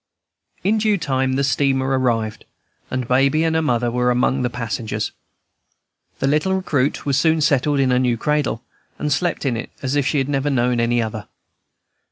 In due time the steamer arrived, and Baby and her mother were among the passengers. The little recruit was soon settled in her new cradle, and slept in it as if she had never known any other.